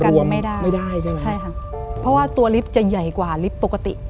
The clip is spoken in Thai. ตัวไม่ได้ไม่ได้ใช่ไหมใช่ค่ะเพราะว่าตัวลิฟต์จะใหญ่กว่าลิฟต์ปกติ